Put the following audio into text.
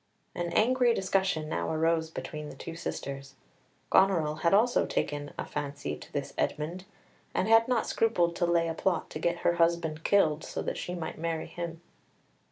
An angry discussion now arose between the two sisters. Goneril also had taken a fancy to this Edmund, and had not scrupled to lay a plot to get her husband killed, so that she might marry him.